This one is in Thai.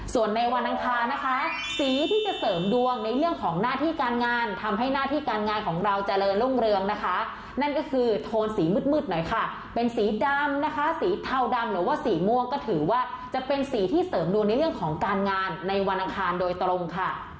ส่วนในวันอังคารนะคะสีที่จะเสริมดวงในเรื่องของหน้าที่การงานทำให้หน้าที่การงานของเราเจริญรุ่งเรืองนะคะนั่นก็คือโทนสีมืดหน่อยค่ะเป็นสีดำนะคะสีเทาดำหรือว่าสีม่วงก็ถือว่าจะเป็นสีที่เสริมดวงในเรื่องของการงานในวันอังคารโดยตรงค่ะ